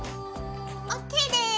ＯＫです！